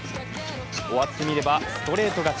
終わってみればストレート勝ち。